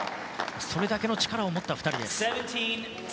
それだけの力を持った２人です。